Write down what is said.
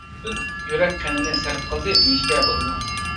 پۈتۈن يۈرەك قىنىنى سەرپ قىلدى دېيىشكە بولىدۇ.